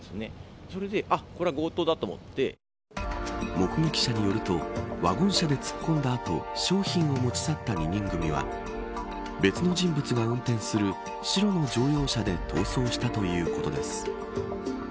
目撃者によるとワゴン車で突っ込んだ後商品を持ち去った２人組は別の人物が運転する白の乗用車で逃走したということです。